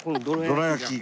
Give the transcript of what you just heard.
どら焼き。